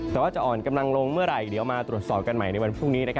แต่ว่าจะอ่อนกำลังลงเมื่อไหร่เดี๋ยวมาตรวจสอบกันใหม่ในวันพรุ่งนี้